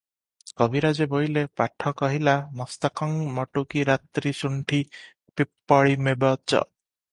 କବିରାଜେ ବୋଇଲେ, 'ପାଠ କହିଲା, 'ମସ୍ତକଂ ମଟୁକୀ ରାତ୍ରୀ ଶୁଣ୍ଠି ପିପ୍ପଳିମେବଚ ।